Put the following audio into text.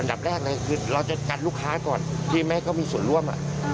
ดับแรกเลยคือเราจะกันลูกค้าก่อนที่แม่เขามีส่วนร่วม